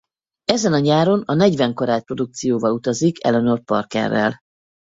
Ezen a nyáron a Negyven Karát Produkcióval utazik Eleanor Parkerrel.